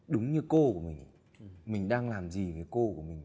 đúng như cô của mình mình đang làm gì với cô của mình